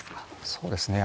そうですね。